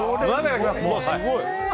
すごい。